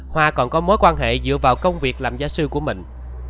hoa còn có mối quan hệ dựa vào công việc làm gia sư của mình